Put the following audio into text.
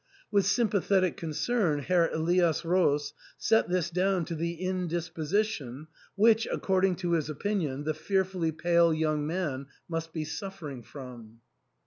With sympathetic concern, Herr Elias Roos set this down to the indisposition which, ac cording to his opinion, the fearfully pale young man must be suffering from.